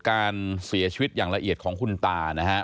การเสียชีวิตอย่างละเอียดของคุณตานะฮะ